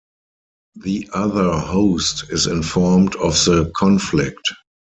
The other host is informed of the conflict.